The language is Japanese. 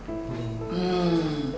うん。